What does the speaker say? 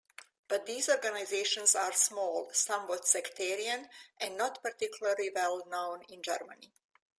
But these organizations are small, somewhat sectarian, and not particularly well known in Germany.